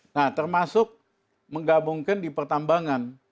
nah termasuk menggabungkan di pertambangan